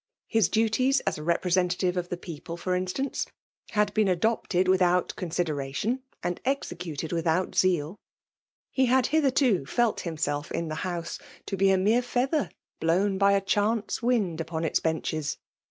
His duties as a representative of the people, for instance, had been adopted without con* sideration, and executed without zeal; he had hitherto felt himself, in the house, to be a mere' feather, blown by a chance wind upon itiE^ benches.